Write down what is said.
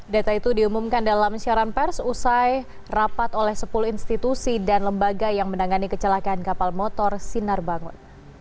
data itu diumumkan dalam siaran pers usai rapat oleh sepuluh institusi dan lembaga yang menangani kecelakaan kapal motor sinar bangun